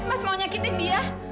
mas mau nyakitin dia